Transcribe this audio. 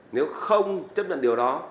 nếu không chấp nhận điều đó